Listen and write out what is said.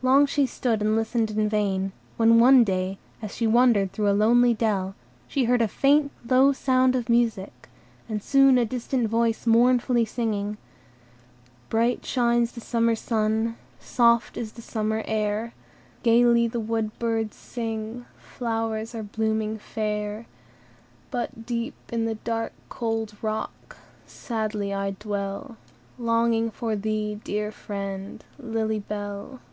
Long she looked and listened in vain; when one day, as she was wandering through a lonely dell, she heard a faint, low sound of music, and soon a distant voice mournfully singing,— "Bright shines the summer sun, Soft is the summer air; Gayly the wood birds sing, Flowers are blooming fair. "But, deep in the dark, cold rock, Sadly I dwell, Longing for thee, dear friend, Lily Bell!